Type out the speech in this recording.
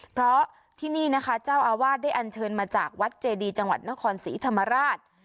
เพราะที่นี่นะคะเจ้าอาวาสได้อันเชิญมาจากวัดเจดีจังหวัดนครศรีธรรมราช